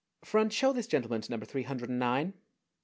"Front, show this gentleman to number three hundred and nine."